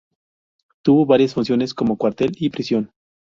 Tuvo varias funciones, como cuartel y prisión.